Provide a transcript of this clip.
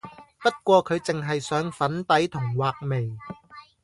不過佢淨係上粉底同畫眉